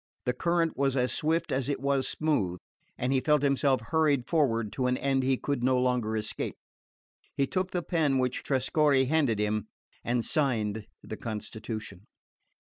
The current was as swift as it was smooth, and he felt himself hurried forward to an end he could no longer escape. He took the pen which Trescorre handed him, and signed the constitution.